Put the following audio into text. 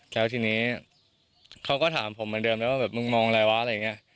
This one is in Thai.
แล้วทีนี้เขาก็ถามผมเหมือนเดิมไปว่าแบบมึงมองอะไรวะอะไรอย่างนี้